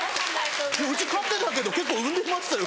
うち飼ってたけど結構産んでましたよ。